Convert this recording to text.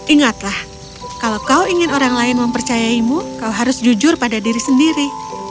ingatlah kalau kau ingin orang lain mempercayaimu kau harus jujur pada diri sendiri